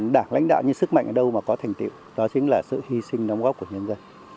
đảng lãnh đạo như sức mạnh ở đâu mà có thành tiệu đó chính là sự hy sinh đóng góp của nhân dân